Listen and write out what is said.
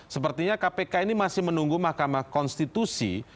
sepertinya kpk ini masih menunggu mahkamah konstitusi